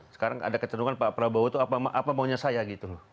sekarang ada kecenderungan pak prabowo itu apa maunya saya gitu